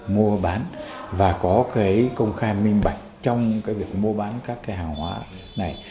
mua bán và có cái công khai minh bạch trong cái việc mua bán các cái hàng hóa này